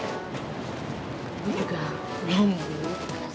gue juga belum